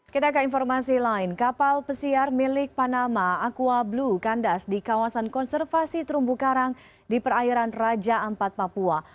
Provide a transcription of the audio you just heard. kita ke informasi lain kapal pesiar milik panama aqua blue kandas di kawasan konservasi terumbu karang di perairan raja ampat papua